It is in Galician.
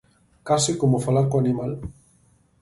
Case como falar co animal.